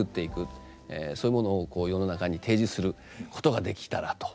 そういうものを世の中に提示することができたらと。